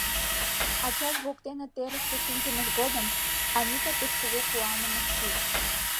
Ачаж воктене терыште шинчымыж годым Анита пеш кугу куаным ыш шиж.